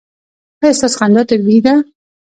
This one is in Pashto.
ایا ستاسو خندا طبیعي ده؟